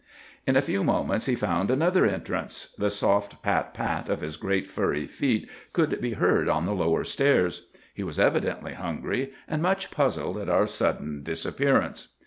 "In a few moments he found another entrance. The soft pat, pat of his great furry feet could be heard on the lower stairs. He was evidently hungry, and much puzzled at our sudden disappearance.